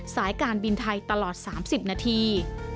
สายการบินไทยตลอด๓๐นาที